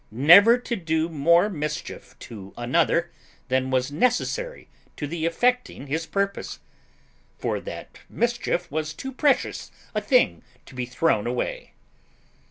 Never to do more mischief to another than was necessary to the effecting his purpose; for that mischief was too precious a thing to be thrown away.